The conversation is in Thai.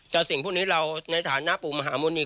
แต่สิ่งพวกนี้เราในฐานะปู่มหามุนอีก